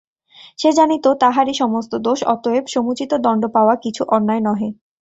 সে জানিত তাহারই সমস্ত দোষ, অতএব সমুচিত দণ্ড পাওয়া কিছু অন্যায় নহে।